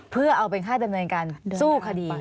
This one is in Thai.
เพื่อเอาเป็นค่าดำเนินการสู้คดี